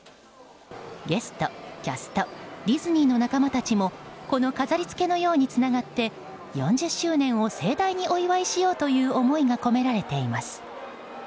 ゲスト、キャストディズニーの仲間たちもこの飾りつけのようにつながって４０周年を盛大にお祝いしようという思いが込められています。